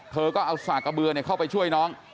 เธอก็เอาสากกระเบือเข้าไปช่วยน้อง